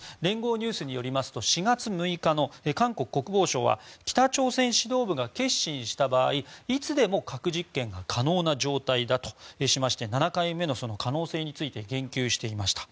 ニュースによりますと４月６日の韓国国防省は北朝鮮指導部が決心した場合いつでも核実験が可能な状態だとしまして７回目の可能性について言及していました。